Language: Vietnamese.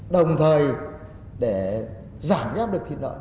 đồng thời để giảm giá được thịt lợn